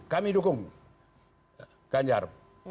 kami dukung ganjar